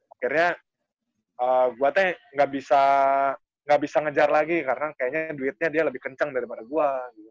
akhirnya gua kayaknya nggak bisa ngejar lagi karena kayaknya duitnya dia lebih kencang darimana gua